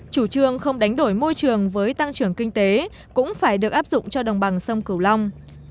chủ trương không đánh đổi môi trường với tăng trưởng kinh tế cũng phải được áp dụng cho đồng bằng sông cửu long